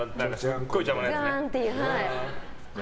すごい邪魔なやつね。